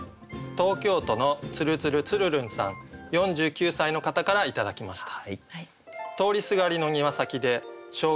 東京都のつるつるつるるんさん４９歳の方から頂きました。